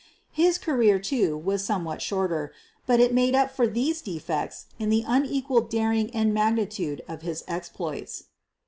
His career, too, was somewhat shorter, but it made up for these defects in the unequaled daring and mag nitude of his exploits.